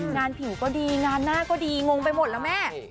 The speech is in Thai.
งานผิวก็ดีงานหน้าก็ดีงงไปหมดแล้วแม่